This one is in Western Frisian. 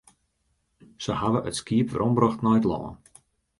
Se hawwe it skiep werombrocht nei it lân.